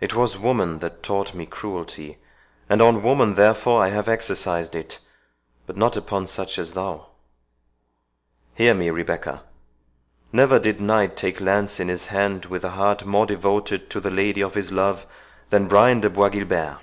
It was woman that taught me cruelty, and on woman therefore I have exercised it; but not upon such as thou. Hear me, Rebecca—Never did knight take lance in his hand with a heart more devoted to the lady of his love than Brian de Bois Guilbert.